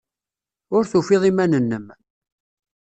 Ur tufiḍ iman-nnem.